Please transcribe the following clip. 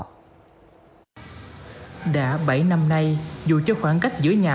từ năm nay dù cho khoảng cách giữa nhà